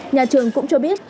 nhà trường cũng cho biết